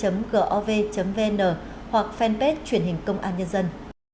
hoặc fanpage truyền hình công an nhân dân